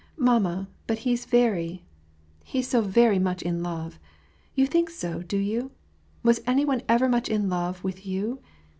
" Mamma, but he's very, he's so very much in love, — you think so, do you? — Was any one ever as much in love with you